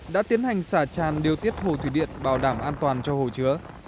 đã tiến hành xả tràn điều tiết hồ thủy điện bảo đảm an toàn cho hồ chứa